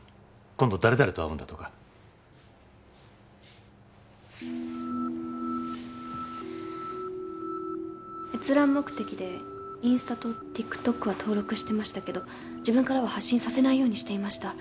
今度誰々と会うんだとか閲覧目的でインスタとＴｉｋＴｏｋは登録してましたけど自分からは発信させないようにしていました